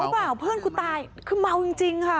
เปล่าเพื่อนกูตายคือเมาจริงค่ะ